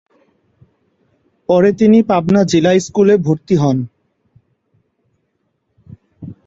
পরে তিনি পাবনা জিলা স্কুলে ভর্তি হন।